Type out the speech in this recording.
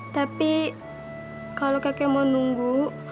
tapi kalau kakek mau nunggu